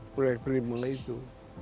proyek prima itu